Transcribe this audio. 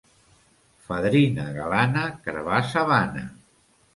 Fadrina galana, carabassa vana.